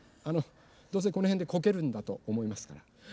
あのどうせこのへんでこけるんだとおもいますから。